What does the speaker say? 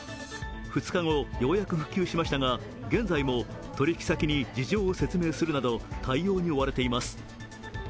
現在は復旧しましたが現在も取引先に事情を説明するなど対応に追われています。